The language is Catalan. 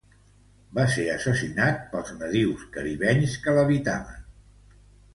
Va ser assassinat pels nadius caribenys que l'habitaven.